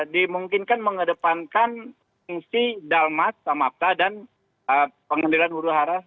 dimungkinkan mengedepankan fungsi dalmat sama dan pengendalian huru hara